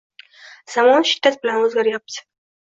Zamon shiddat bilan o‘zgaryapti